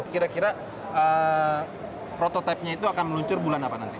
kira kira prototipenya itu akan meluncur bulan apa nanti